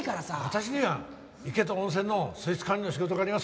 私には池と温泉の水質管理の仕事がありますから。